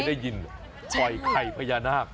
พึ่งเคยได้ยินปล่อยไข่พญานาค